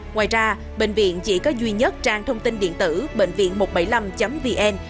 ngoài ra bệnh viện chỉ có duy nhất trang thông tin điện tử bệnh viện một trăm bảy mươi năm vn